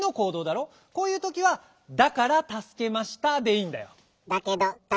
こういうときは「『だから』たすけました」でいいんだよ。